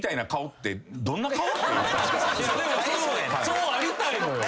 そうありたいのよ。